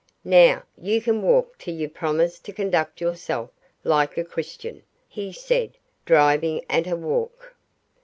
"Now, you can walk till you promise to conduct yourself like a Christian!" he said, driving at a walk.